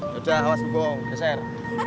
yaudah hawas bubong keser